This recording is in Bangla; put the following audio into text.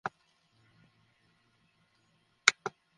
মারান, আমি যদি তোমার কষ্টটা ভাগ করে নিতে পারতাম তাহলে অবশ্যই নিতাম।